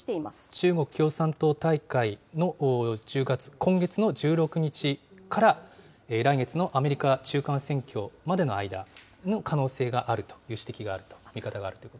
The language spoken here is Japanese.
中国共産党大会の１０月、今月の１６日から、来月のアメリカ中間選挙までの間の可能性があるという指摘がある